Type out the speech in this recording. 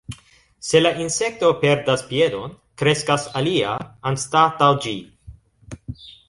Se la insekto perdas piedon, kreskas alia anstataŭ ĝi.